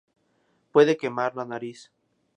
Puede quemar la nariz.